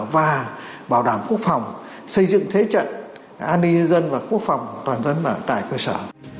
và bảo đảm quốc phòng xây dựng thế trận an ninh nhân dân và quốc phòng toàn dân bản tại cơ sở